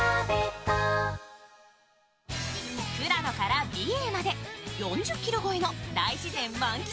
富良野から美瑛まで４０ｋｍ超えの大自然満喫、大自然満喫